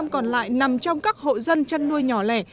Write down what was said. sáu mươi năm còn lại nằm trong các hộ dân chăn nuôi nhỏ lẻ